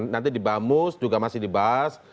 nanti di bamus juga masih dibahas